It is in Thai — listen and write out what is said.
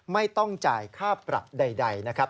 ไม่ต้องจ่ายค่าปรับใดนะครับ